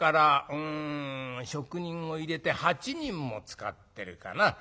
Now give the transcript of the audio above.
うん職人を入れて８人も使ってるかな。